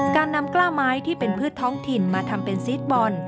การนำกล้าไม้ที่เป็นพืชท้องถิ่นมาทำเป็นซีสบอล